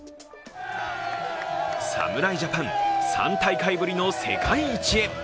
侍ジャパン、３大会ぶりの世界一へ。